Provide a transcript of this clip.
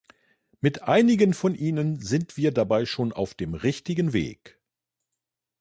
Mit einigen von ihnen sind wir dabei schon auf dem richtigen Weg.